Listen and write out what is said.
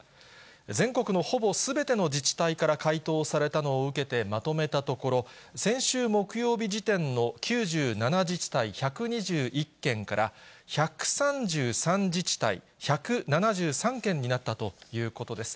全国のほぼすべての自治体から回答されたのを受けてまとめたところ、先週木曜日時点の９７自治体１２１件から、１３３自治体１７３件になったということです。